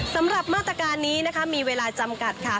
สำหรับมาตรการนี้นะคะมีเวลาจำกัดค่ะ